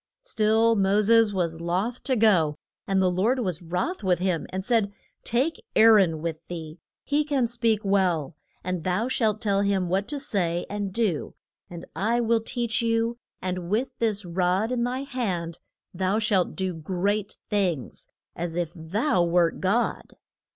Still Mo ses was loth to go, and the Lord was wroth with him, and said, Take Aa ron with thee. He can speak well. And thou shalt tell him what to say and do, and I will teach you, and with this rod in thy hand thou shalt do great things, as if thou wert God.